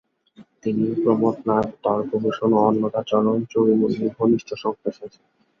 তিনি প্রমথনাথ তর্কভূষণ ও অন্নদাচরণ চূড়ামণির ঘনিষ্ঠ সংস্পর্শে আসেন।